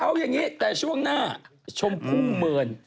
เอาอย่างนี้แต่ช่วงหน้าชมพู่เมิน